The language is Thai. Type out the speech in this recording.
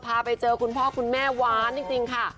พาไปเจอคุณพ่อคุณแม่หวานจริงค่ะ